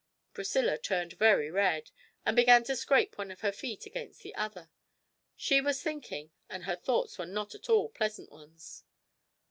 Priscilla turned very red, and began to scrape one of her feet against the other; she was thinking, and her thoughts were not at all pleasant ones.